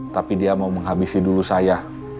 tapi dia mau menghabisi dulu saya